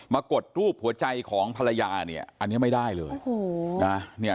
มากดรูปหัวใจของภรรยาเนี่ยอันนี้ไม่ได้เลย